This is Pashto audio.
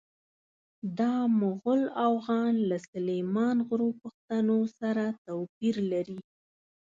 دا مغول اوغان له سلیمان غرو پښتنو سره توپیر لري.